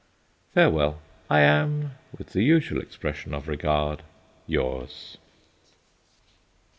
Farewell. I am, with the usual expressions of regard, Yours, M (or N).